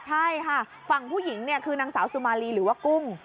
ใช่ค่ะฝั่งผู้หญิงเนี่ยคือนางสาวสุมารีหรือว่ากุ้ง